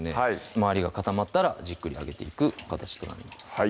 周りが固まったらじっくり揚げていく形となります